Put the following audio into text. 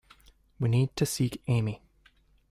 We need to seek Amy.